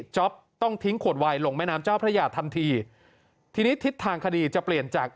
จ๊อปต้องทิ้งขวดวายลงแม่น้ำเจ้าพระยาทันทีทีนี้ทิศทางคดีจะเปลี่ยนจาก